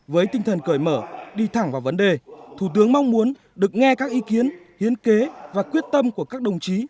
với tinh thần cởi mở đi thẳng vào vấn đề thủ tướng mong muốn được nghe các ý kiến hiến kế và quyết tâm của các đồng chí